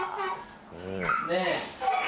ねえ。